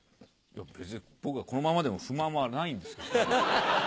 別に僕はこのままでも不満はないんですけど。